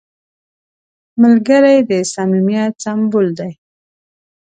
ملګری د صمیمیت سمبول دی